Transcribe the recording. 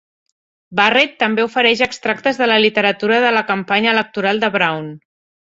Barrett també ofereix extractes de la literatura de la campanya electoral de Brown.